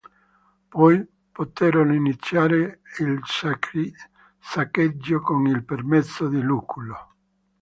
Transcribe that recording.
Poi poterono iniziare il saccheggio con il permesso di Lucullo.